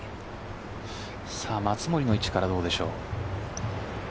松森の位置からどうでしょう。